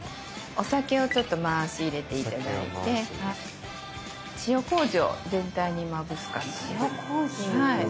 お酒をちょっと回し入れて頂いて塩麹を全体にまぶす感じです。